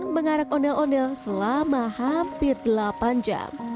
mengarak ondel ondel selama hampir delapan jam